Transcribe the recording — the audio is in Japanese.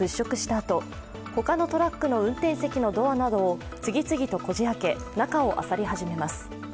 あと他のトラックの運転席のドアなどを次々とこじ開け中をあさり始めます。